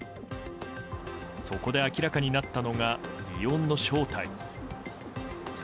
そこで明らかになったのが異音の正体。